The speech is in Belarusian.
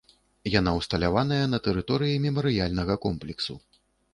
Яна ўсталяваная на тэрыторыі мемарыяльнага комплексу.